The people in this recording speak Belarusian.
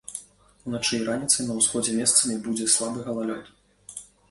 Уначы і раніцай на ўсходзе месцамі будзе слабы галалёд.